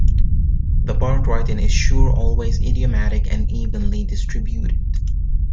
The part writing is sure, always idiomatic and evenly distributed.